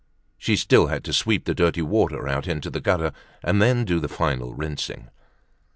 She still had to sweep the dirty water out into the gutter, and then do the final rinsing.